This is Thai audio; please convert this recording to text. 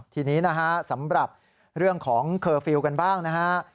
ทีนี้นะฮะสำหรับเรื่องของเคอร์ฟิลล์กันบ้างนะฮะ